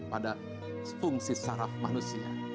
pada fungsi saraf manusia